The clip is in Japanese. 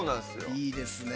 いいですね。